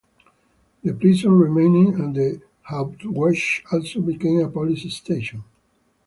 The prison remained and the Hauptwache also became a police station.